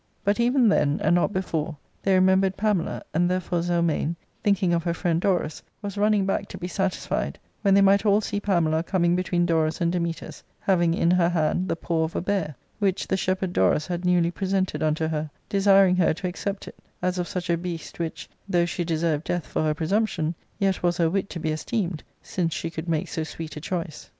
But even then, and not before, they remembered Pamela, arid, therefore, Zelmane, thinking of her friend Dorus, was running back to be satisfied, when they might all see Pamela coming between Dorus and Dametas, having in her hand the paw of a bear, which the shepherd Dorus had newly j presented unto her, desiring her to accept it, as of such a beast, which, though she deserved death for her presumption, yet was her wit to be esteemed, since she could make so sweet a choice.